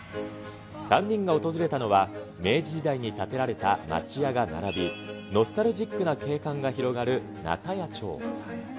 ３人が訪れたのは、明治時代に建てられた町屋が並び、ノスタルジックな景観が広がる鉈屋町。